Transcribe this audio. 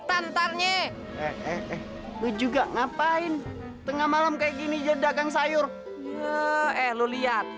bentarnya eh eh eh lu juga ngapain tengah malam kayak gini aja dagang sayur eh lu lihat